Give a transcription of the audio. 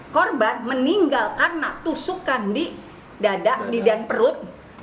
korban meninggal karena tusukan di dada di dan perut